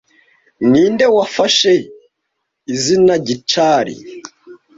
Ninde wafashe izina Gicari